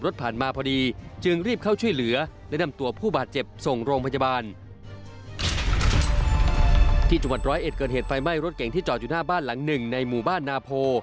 ที่จังหวัดร้อยเอ็ดเกิดเหตุไฟไหม้รถเก่งที่จอดอยู่หน้าบ้านหลังหนึ่งในหมู่บ้านนาโพ